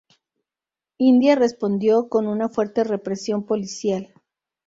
India respondió con una fuerte represión policial.